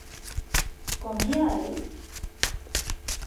¿comía él?